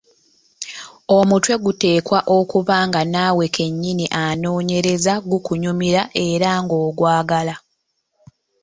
Omutwe guteekwa okuba nga naawe kennyini anoonyereza gukunyumira era ng’ogwagala.